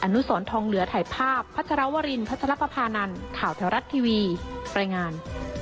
นุสรทองเหลือถ่ายภาพพัชรวรินพัชรปภานันข่าวแถวรัฐทีวีรายงาน